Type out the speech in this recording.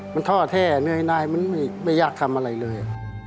มันท่อแท้เหนื่อยนายมันไม่อยากทำอะไรเลย